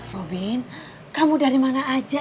robin kamu dari mana aja